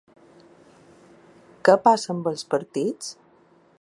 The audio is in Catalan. Què passa amb els partits?